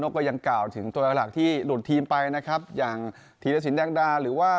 ก็ยังกล่าวถึงตัวหลักที่หลุดทีมไปนะครับอย่างธีรสินแดงดาหรือว่า